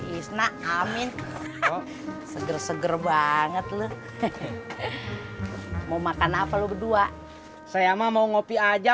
isna amin seger seger banget loh mau makan apa lo berdua saya mah mau ngopi aja